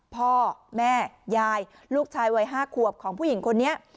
พ่อแม่ยายลูกชายวัย๕ขวบของผู้หญิงคนนี้